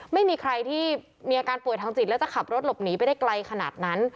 ไม่มีใครที่มีอาการป่วยทางจิตแล้วจะขับรถหลบหนีไปได้ไกลขนาดนั้น